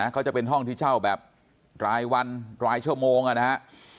เขาจะเป็นห้องที่เช่าแบบรายวันรายชั่วโมงนะฮะ